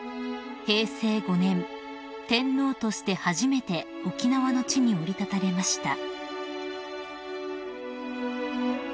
平成５年天皇として初めて沖縄の地に降り立たれました］